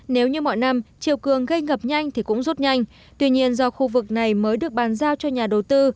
nếu như mọi năm chiều cường gây ngập nhanh thì cũng rút nhanh tuy nhiên do khu vực này mới được bàn giao cho nhà đầu tư